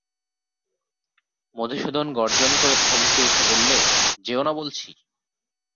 মধুসূদন গর্জন করে ধমকে উঠে বললে, যেয়ো না বলছি।